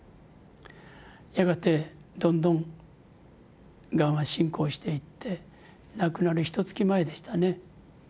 やがてどんどんがんは進行していって亡くなるひと月前でしたね。